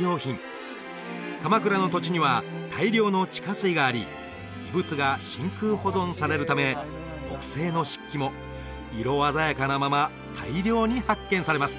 用品鎌倉の土地には大量の地下水があり遺物が真空保存されるため木製の漆器も色鮮やかなまま大量に発見されます